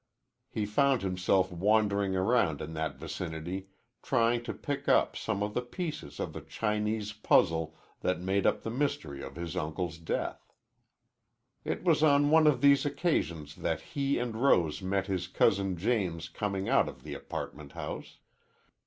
He found himself wandering around in that vicinity trying to pick up some of the pieces of the Chinese puzzle that made up the mystery of his uncle's death. It was on one of these occasions that he and Rose met his cousin James coming out of the apartment house.